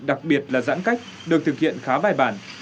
đặc biệt là giãn cách được thực hiện khá bài bản